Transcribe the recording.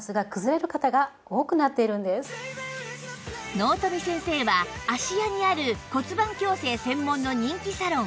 納富先生は芦屋にある骨盤矯正専門の人気サロン